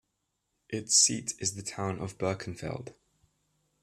Its seat is the town of Birkenfeld.